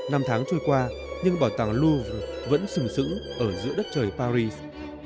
năm tháng trôi qua nhưng bảo tàng louvre vẫn sừng sững ở giữa đất trời paris